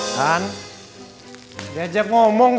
kan diajak ngomong